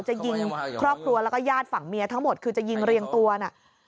จะยิงครอบครัวแล้วก็ญาติฝั่งเมียทั้งหมดคือจะยิงเรียงตัวน่ะ